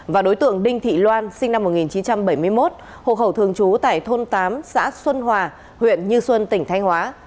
và đối tượng đinh thị loan sinh năm một nghìn chín trăm bảy mươi một hộ khẩu thường trú tại thôn tám xã xuân hòa huyện như xuân tỉnh thanh hóa